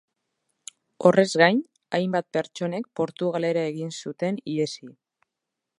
Horrez gain, hainbat pertsonek Portugalera egin zuten ihesi.